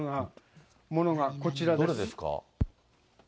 どれですか？